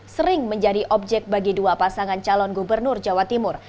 sering menjadi objek bagi dua pasangan calon gubernur jawa timur